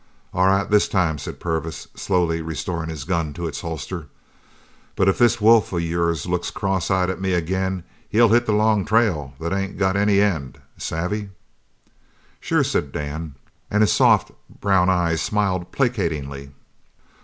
"All right this time," said Purvis, slowly restoring his gun to its holster, "but if this wolf of yours looks cross eyed at me agin he'll hit the long trail that ain't got any end, savvy?" "Sure," said Dan, and his soft brown eyes smiled placatingly.